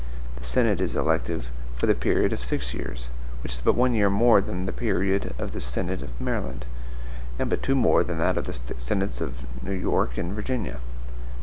The Senate is elective, for the period of six years; which is but one year more than the period of the Senate of Maryland, and but two more than that of the Senates of New York and Virginia.